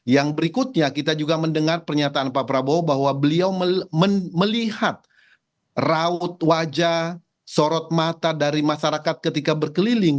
yang berikutnya kita juga mendengar pernyataan pak prabowo bahwa beliau melihat raut wajah sorot mata dari masyarakat ketika berkeliling